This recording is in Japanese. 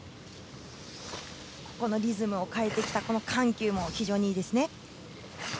リズムを変えてきた緩急も非常にいいですね。